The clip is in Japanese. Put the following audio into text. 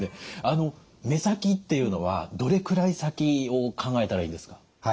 目先っていうのはどれくらい先を考えたらいいんですか？